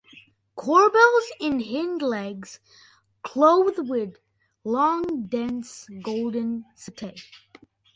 Corbels in hind legs clothed with long dense golden setae.